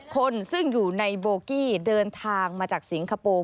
คนซึ่งอยู่ในโบกี้เดินทางมาจากสิงคโปร์